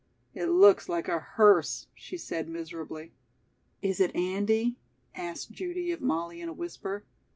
"It looks like a hearse," she said miserably. "Is it Andy?" asked Judy of Molly in a whisper.